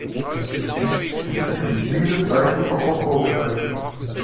Es ist im Stil des reifen Rokoko gehalten.